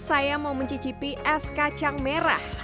saya mau mencicipi es kacang merah